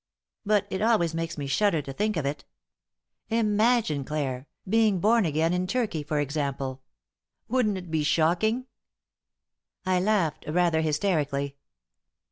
But it always makes me shudder to think of it. Imagine, Clare, being born again in Turkey, for example. Wouldn't it be shocking?" I laughed, rather hysterically.